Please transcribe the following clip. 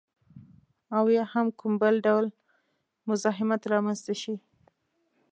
او یا هم کوم بل ډول مزاحمت رامنځته شي